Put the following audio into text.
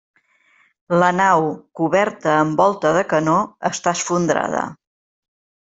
La nau, coberta amb volta de canó, està esfondrada.